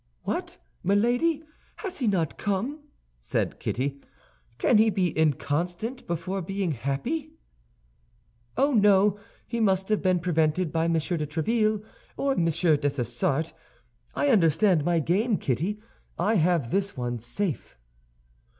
"What, Milady! has he not come?" said Kitty. "Can he be inconstant before being happy?" "Oh, no; he must have been prevented by Monsieur de Tréville or Monsieur Dessessart. I understand my game, Kitty; I have this one safe."